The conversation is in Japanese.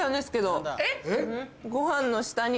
ご飯の下に。